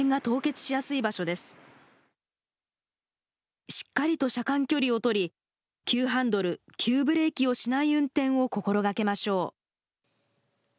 しっかりと車間距離を取り急ハンドル急ブレーキをしない運転を心がけましょう。